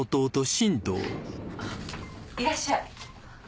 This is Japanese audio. いらっしゃい。